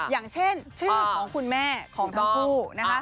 อย่างเช่นชื่อของคุณแม่ของทั้งคู่นะคะ